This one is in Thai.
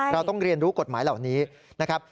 เราต้องเรียนรู้กฎหมายเหล่านี้นะครับ